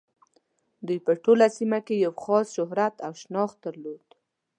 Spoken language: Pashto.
دوی په ټوله سیمه کې یې خاص شهرت او شناخت درلود.